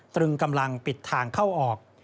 ตรึงกำลังปิดทางเข้าออก